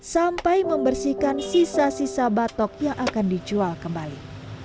sampai membersihkan sisa sisa batok yang akan dijual kembali